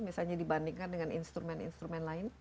misalnya dibandingkan dengan instrumen instrumen lain